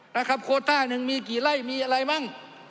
นะครับโคต้าหนึ่งมีกี่ไร่มีอะไรมั่ง